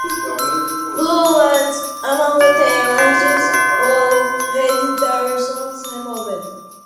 Puleo was among these artists who had their songs removed.